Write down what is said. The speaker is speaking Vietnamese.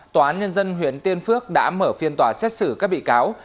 tòa án nhân dân huyện tiên phước đã mở phiên tòa xét xử các bị cáo